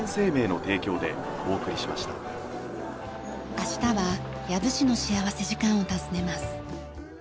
明日は養父市の幸福時間を訪ねます。